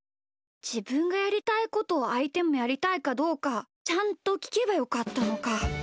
じぶんがやりたいことをあいてもやりたいかどうかちゃんときけばよかったのか。